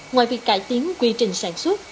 ngoài việc cải tiến quy trình sản xuất